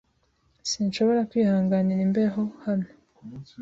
Sinshobora kwihanganira imbeho hano.